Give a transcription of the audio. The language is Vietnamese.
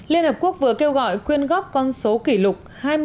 liên hợp quốc vừa kêu gọi quyên góp con số kỷ lục